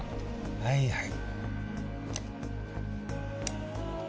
はいはい。